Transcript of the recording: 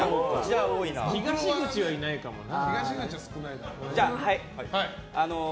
東口は少ないかな。